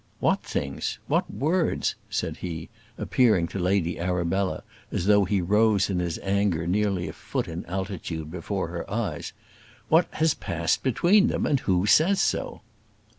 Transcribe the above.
"What things? what words?" said he, appearing to Lady Arabella as though he rose in his anger nearly a foot in altitude before her eyes. "What has passed between them? and who says so?"